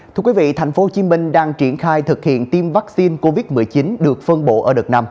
thưa quý vị tp hcm đang triển khai thực hiện tiêm vaccine covid một mươi chín được phân bộ ở đợt năm